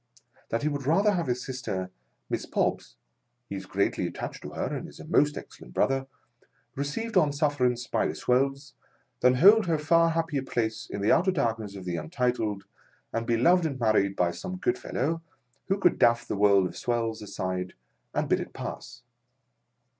That he would rather have his sister, Miss Pobb (he is greatly attached to her, and is a most excellent brother), received on sufferance by the swells, than hold her far happier place in the outer darkness of the untitled, and be loved and married by some good fellow, who could daff the world of swells aside, and bid it pass.